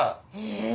へえ。